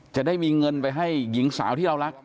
จะได้มีเงินไปให้หญิงสาวที่เรารัก